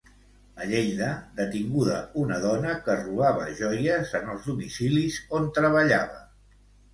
A Lleida, detinguda una dona que robava joies en els domicilis on treballava.